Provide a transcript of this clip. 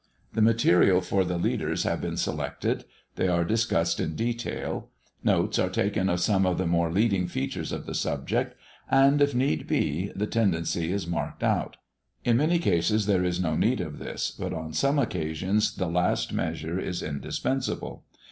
The material for the leaders having been selected, they are discussed in detail; notes are taken of some of the more leading features of the subject, and, if need be, the tendency is marked out. In many cases there is no need of this, but on some occasions the last measure is indispensable.